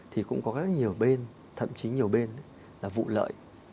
thì cũng có rất nhiều bên thậm chí nhiều bên là vụ lợi